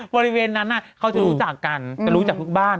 บริเวณนั้นเขาจะรู้จักกันจะรู้จักทุกบ้าน